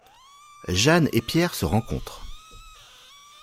Jeanne et Pierre se rencontrent.